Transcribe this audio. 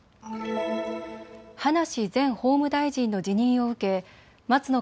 葉梨前法務大臣の辞任を受け松野